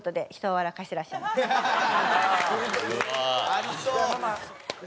ありそう！